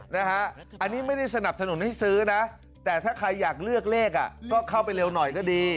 นะฮะอันนี้ไม่ได้สนับสนุนให้ซื้อนะแต่ถ้าใครอยากเลือกเลขก็เข้าไปเร็วหน่อยก็ดี